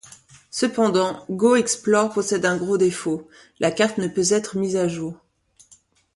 Cependant, Go! Explore possède un gros défaut: La carte ne peut être mise à jour.